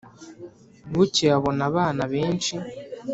bukeye abona abana benshi